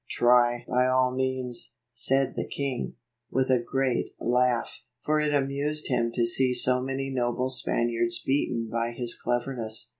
"Try by all means," said the king, with a great laugh, for it amused him to see so many noble Spaniards beaten by his cleverness.